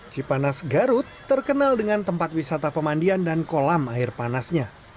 cipanas garut terkenal dengan tempat wisata pemandian dan kolam air panasnya